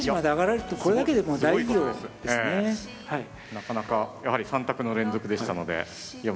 なかなかやはり３択の連続でしたので難しいですよね。